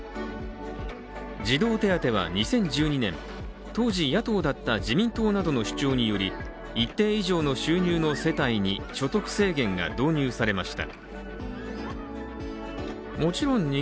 児童手当は２０１２年、当時、野党だった自民党などの主張により一定以上の収入の世帯に、所得制限が導入されました。